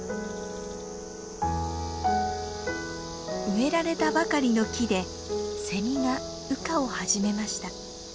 植えられたばかりの木でセミが羽化を始めました。